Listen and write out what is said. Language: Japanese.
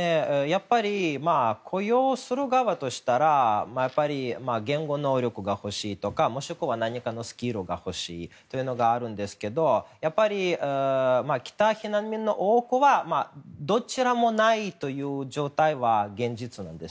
やっぱり雇用する側としたら言語能力が欲しいとかもしくは、何かのスキルが欲しいというのがあるんですが来た避難民の多くはどちらもないという状態が現実なんですね。